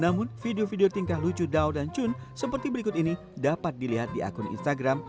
namun video video tingkah lucu dao dan chun seperti berikut ini dapat dilihat di akun instagram